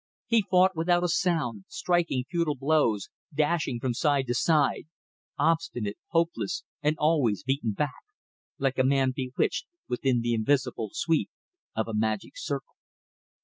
He fought without a sound, striking futile blows, dashing from side to side; obstinate, hopeless, and always beaten back; like a man bewitched within the invisible sweep of a magic circle.